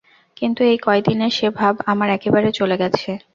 কিন্তু এই কয় দিনে সে ভাব আমার একেবারে চলে গেছে।